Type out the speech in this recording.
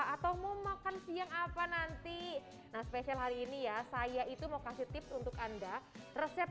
atau mau makan siang apa nanti nah spesial hari ini ya saya itu mau kasih tips untuk anda resep